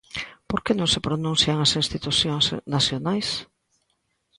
Por que non se pronuncian as institucións nacionais?